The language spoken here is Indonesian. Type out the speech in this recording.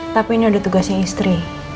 tapi ini ada tugasnya istri